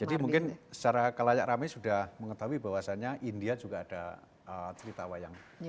jadi mungkin secara kelayak rame sudah mengetahui bahwasannya india juga ada cerita wayang